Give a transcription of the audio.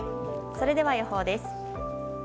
それでは予報です。